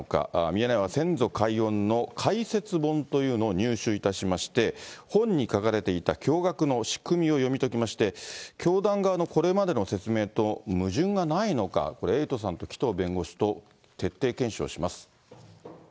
ミヤネ屋は先祖解怨の解説本というのを入手いたしまして、本に書かれていた驚がくの仕組みを読み解きまして、教団側のこれまでの説明と矛盾がないのか、これ、エイトさんと紀藤弁護士と徹底検証します。